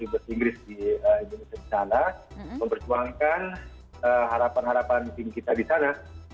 bus inggris di indonesia di sana memperjuangkan harapan harapan tim kita di sana